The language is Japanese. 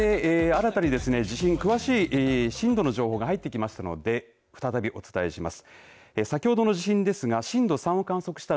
そして新たに地震詳しい震度の情報が入ってきましたので再び、お伝えします。